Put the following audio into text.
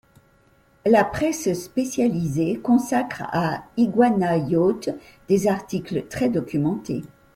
La presse spécialisée consacre à Iguana Yachts des articles très documentés.